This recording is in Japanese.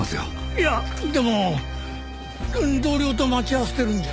いやでも同僚と待ち合わせてるんじゃ？